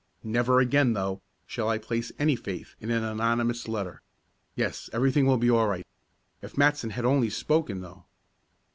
Never again, though, shall I place any faith in an anonymous letter. Yes, everything will be all right. If Matson had only spoken, though!"